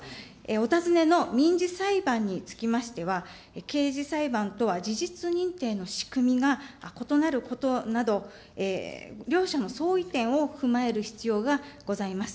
お尋ねの民事裁判につきましては、刑事裁判とは事実認定の仕組みが異なることなど、両者の相違点を踏まえる必要がございます。